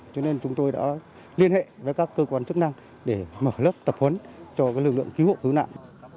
cho nên chúng tôi đã liên hệ với các cơ quan chức năng để mở lớp tập huấn cho lực lượng cứu hộ cứu nạn